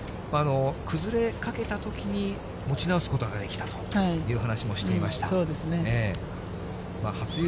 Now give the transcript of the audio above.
崩れかけたときに持ち直すことができたという話もしていました。